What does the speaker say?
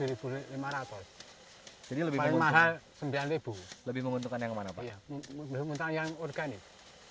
lebih menguntungkan yang organik